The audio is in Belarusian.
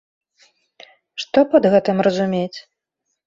Што пад гэтым разумець?